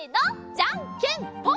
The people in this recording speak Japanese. じゃんけんぽん！